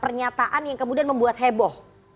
pernyataan yang kemudian membuat heboh